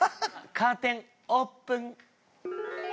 カーテンオープン。